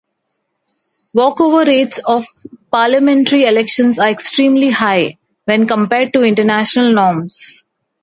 Walkover rates for parliamentary elections are extremely high when compared to international norms.